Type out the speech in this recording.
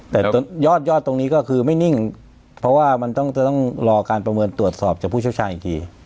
แต่ยอดยอดตรงนี้ก็คือไม่นิ่งเพราะว่ามันต้องรอการประเมินตรวจสอบจากผู้เชี่ยวชาญอีกที